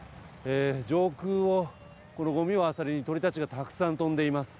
上空をこのごみをあさりに鳥たちがたくさん飛んでいます。